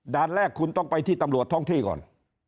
แรกคุณต้องไปที่ตำรวจท้องที่ก่อน